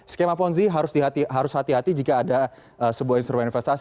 skema ponzi harus hati hati jika ada sebuah instrumen investasi